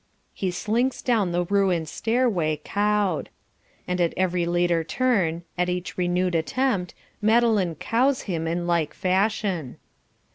He slinks down the ruined stairway "cowed." And at every later turn, at each renewed attempt, Madeline "cows" him in like fashion.